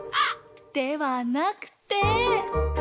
ではなくて。